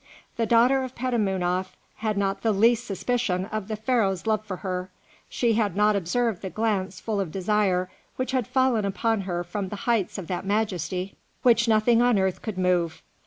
The daughter of Petamounoph had not the least suspicion of the Pharaoh's love for her; she had not observed the glance full of desire which had fallen upon her from the heights of that majesty which nothing on earth could move.